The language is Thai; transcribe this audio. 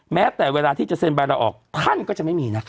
แม้แต่เวลาที่จะเซ็นใบลาออกท่านก็จะไม่มีนะ